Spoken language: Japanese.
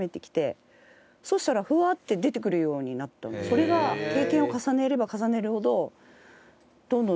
それが経験を重ねれば重ねるほど。